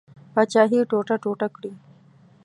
پاچهي ټوټه ټوټه کړي.